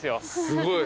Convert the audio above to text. すごい。